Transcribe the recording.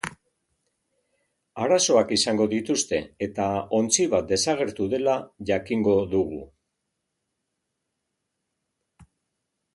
Arazoak izango dituzte, eta ontzi bat desagertu dela jakingo dugu.